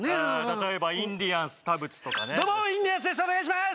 例えばインディアンス田渕とかねどうもインディアンスですお願いします